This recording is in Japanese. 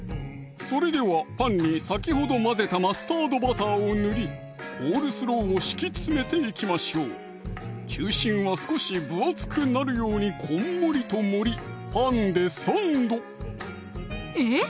それではパンに先ほど混ぜたマスタードバターを塗りコールスローを敷き詰めていきましょう中心は少し分厚くなるようにこんもりと盛りパンでサンドえっ！